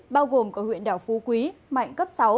bao gồm cả huyện đảo phú quý mạnh cấp sáu